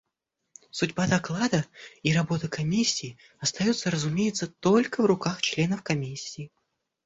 Судьба доклада и работа Комиссии остаются, разумеется, только в руках членов Комиссии.